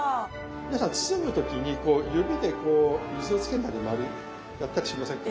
皆さん包む時に指でこう水をつけたり周りやったりしませんか？